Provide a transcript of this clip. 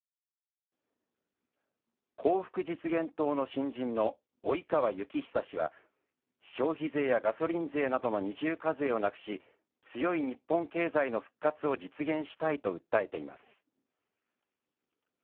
幸福実現党の新人の及川幸久氏は消費税やガソリン税などの二重課税をなくし、強い日本経済の復活を実現したいと訴えています。